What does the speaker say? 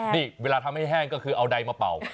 นี่เวลาทำให้แห้งก็คือเอาใดมาเป่า